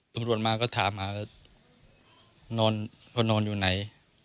ตำรวจมาก็ถามหาว่านอนอยู่ไหน